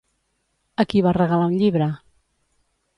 A qui va regalar un llibre?